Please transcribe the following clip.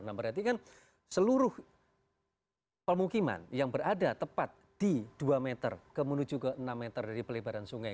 nah berarti kan seluruh pemukiman yang berada tepat di dua meter menuju ke enam meter dari pelebaran sungai